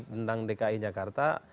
tentang dki jakarta